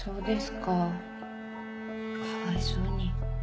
かわいそうに。